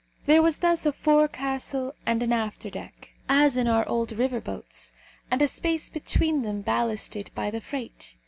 There was thus a forecastle and an afterdeck, as in our old river boats, and a space between them ballasted by the freight.